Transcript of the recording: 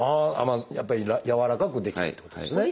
やっぱりやわらかく出来てるってことですね。